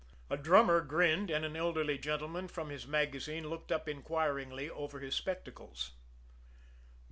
A drummer grinned; and an elderly gentleman, from his magazine, looked up inquiringly over his spectacles.